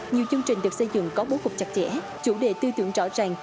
nhiều chương trình được xây dựng có bố cục chặt chẽ chủ đề tư tưởng rõ ràng